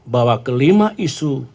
bahwa kelima isu